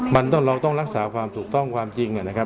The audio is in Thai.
มันต้องรักษาความถูกต้องความจริง